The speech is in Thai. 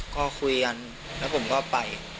ก็คุยกันแล้วผมก็ไป